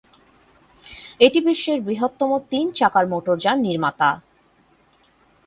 এটি বিশ্বের বৃহত্তম তিন-চাকার মোটরযান নির্মাতা।